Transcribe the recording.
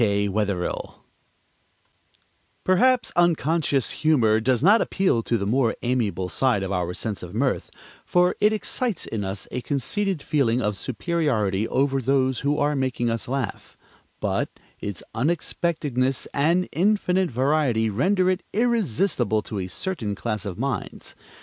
K. WETHERILL Perhaps unconscious humor does not appeal to the more amiable side of our sense of mirth, for it excites in us a conceited feeling of superiority over those who are making us laugh, but its unexpectedness and infinite variety render it irresistible to a certain class of minds.